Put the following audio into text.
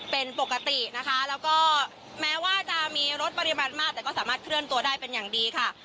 เป็นปกตินะคะแล้วก็แม้ว่าจะมีรถปริมาณมากแต่ก็สามารถเคลื่อนตัวได้เป็นอย่างดีค่ะ